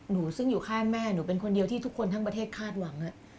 ซึ่งอยู่ข้างแม่หนูเป็นคนเดียวที่ทุกคนทั้งประเทศคาดหวัง